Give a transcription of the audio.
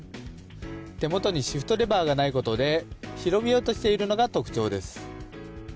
手元にシフトレバーがないことで広々としているのが特徴です。